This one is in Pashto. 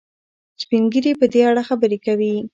سپین ږیري په دې اړه خبرې کوي.